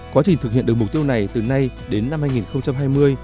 quá trình thực hiện được mục tiêu này từ nay đến năm hai nghìn hai mươi